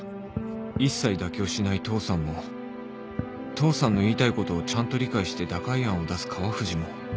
一切妥協しない父さんも父さんの言いたいことをちゃんと理解して打開案を出す川藤も